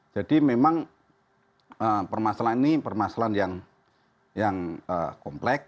jadi memang permasalahan ini permasalahan yang komplek